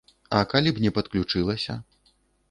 А калі б не падключылася?